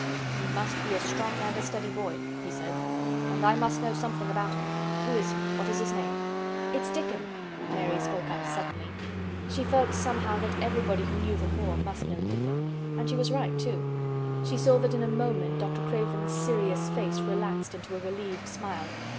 "He must be a strong boy and a steady boy," he said. "And I must know something about him. Who is he? What is his name?" "It's Dickon," Mary spoke up suddenly. She felt somehow that everybody who knew the moor must know Dickon. And she was right, too. She saw that in a moment Dr. Craven's serious face relaxed into a relieved smile.